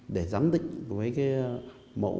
để giám định với cái mẫu